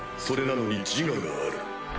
それなのに自我がある。